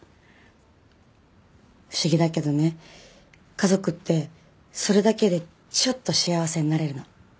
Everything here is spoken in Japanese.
不思議だけどね家族ってそれだけでちょっと幸せになれるの。